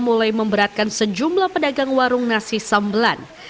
mulai memberatkan sejumlah pedagang warung nasi sambelan